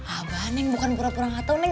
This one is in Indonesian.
abang neng bukan pura pura enggak tahu neng